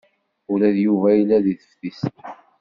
Ula d Yuba yella deg teftist.